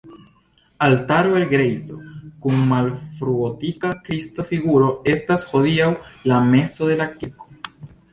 Altaro el grejso kun malfrugotika Kristo-figuro estas hodiaŭ la mezo de la kirko.